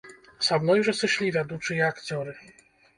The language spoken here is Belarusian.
Са мной жа сышлі вядучыя акцёры.